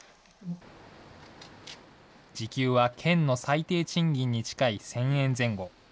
時給は県の最低賃金に近い１０００円前後。